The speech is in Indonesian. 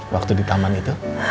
waktu di taman itu